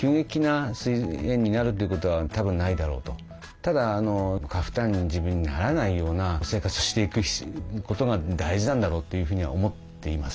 ただ過負担に自分にならないような生活をしていくことが大事なんだろうっていうふうには思っています。